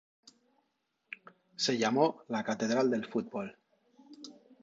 Se llamó ""la catedral del fútbol"".